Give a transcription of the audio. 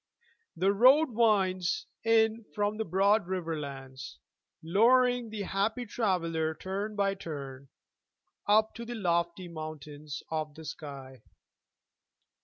The road winds in from the broad riverlands, Luring the happy traveler turn by turn, Up to the lofty mountains of the sky.